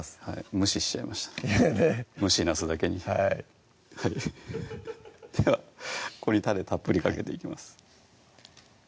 むししちゃいました「蒸しなす」だけにはいではこれにたれたっぷりかけていきます